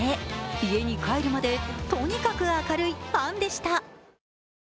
家に帰るまで、とにかく明るいファンでした。